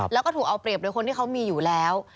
แล้วก็ถูกเอาเปรียบโดยคนที่เขามีอยู่แล้ว